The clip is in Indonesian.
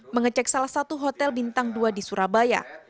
mengecek salah satu hotel bintang dua di surabaya